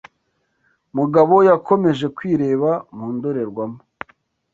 Mugabo yakomeje kwireba mu ndorerwamo.